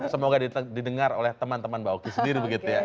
semoga didengar oleh teman teman mbak oki sendiri begitu ya